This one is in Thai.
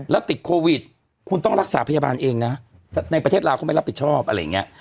แล้วติดโควิดคุณต้องรักษาพยาบาลเองนะในประเทศลาวเขาไม่รับผิดชอบอะไรอย่างนี้